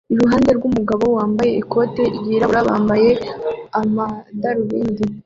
iruhande rwumugabo wambaye ikoti ryirabura yambaye amadarubindi